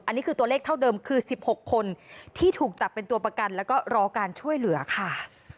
อันนี้คือตัวเลขเท่าเดิมคือ๑๖คนที่ถูกจับเป็นตัวประกันแล้วก็รอการช่วยเหลือค่ะ